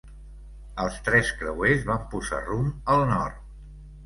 Els tres creuers van posar rumb al nord.